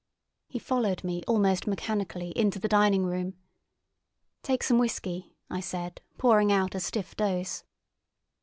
He followed me, almost mechanically, into the dining room. "Take some whisky," I said, pouring out a stiff dose.